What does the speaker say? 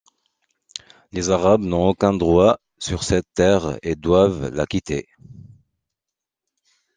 Les Arabes n'ont aucun droit sur cette terre et doivent la quitter.